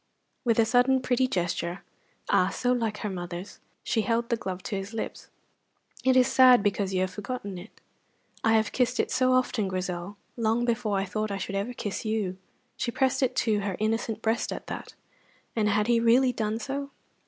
With a sudden pretty gesture ah, so like her mother's! she held the glove to his lips. "It is sad because you have forgotten it." "I have kissed it so often, Grizel, long before I thought I should ever kiss you!" She pressed it to her innocent breast at that. And had he really done so?